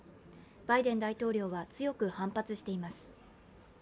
バイデン大統領は強く反発しています。